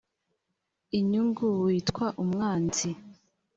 inyungu witwa umwanzi